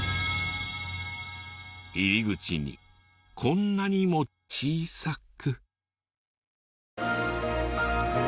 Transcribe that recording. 入り口にこんなにも小さく。